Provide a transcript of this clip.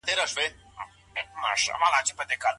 وليمې ته حاضر کسان بايد زوم او ناوې ته څه وکړي؟